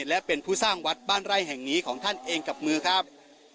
และเป็นผู้สร้างวัดบ้านไร่แห่งนี้ของท่านเองกับมือครับ